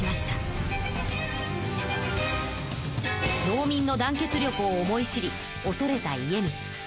農民の団結力を思い知り恐れた家光。